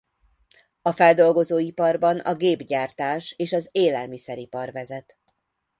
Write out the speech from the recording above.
A feldolgozóiparban a gépgyártás és az élelmiszeripar vezet.